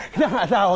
kita nggak tahu